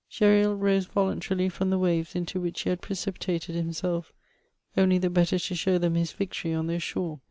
Gesril rose voluntarily from the waves into which he had precipitated himself only the better to show them his victory on their shore.